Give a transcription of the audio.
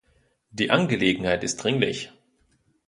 Die Angelegenheit ist dringlich.